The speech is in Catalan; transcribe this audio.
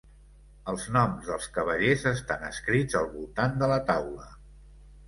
Els noms dels cavallers estan escrits al voltant de la taula.